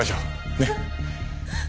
ねっ。